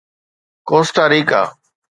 Costa ريڪا